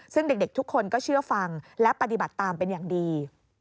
ซึ่งเด็กทุกคนก็เชื่อฟังและปฏิบัติตามเป็นอย่างดี